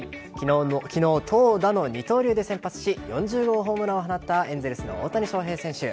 昨日、投打の二刀流で先発し４０号ホームランを放ったエンゼルスの大谷翔平選手。